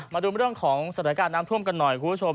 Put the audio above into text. มาดูเรื่องของสถานการณ์น้ำท่วมกันหน่อยคุณผู้ชม